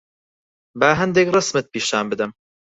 با هەندێک ڕەسمت پیشان بدەم.